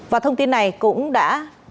và thông tin này cũng đã